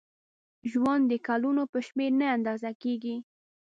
ژوند د کلونو په شمېر نه اندازه کېږي.